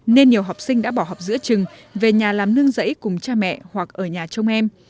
nên nhiều học sinh đã bỏ học giữa trường về nhà làm nương rẫy cùng cha mẹ hoặc ở nhà trong em